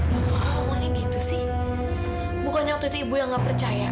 bukannya waktu itu ibu yang gak percaya